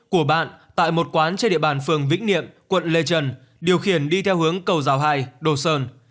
của bạn tại một quán trên địa bàn phường vĩnh niệm quận lê trần điều khiển đi theo hướng cầu rào hai đồ sơn